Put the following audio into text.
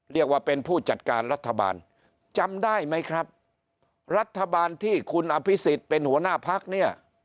เรียกว่าเป็นผู้จัดการรัฐบาลจำได้ไหมครับรัฐบาลที่คุณอภิษฎเป็นหัวหน้าพักเนี่ย